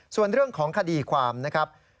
ส่วนเรื่องของคดีความนะครับ